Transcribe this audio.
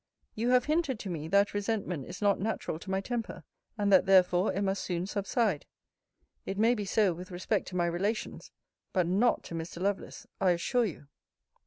You have hinted to me, that resentment is not natural to my temper, and that therefore it must soon subside: it may be so with respect to my relations; but not to Mr. Lovelace, I assure you.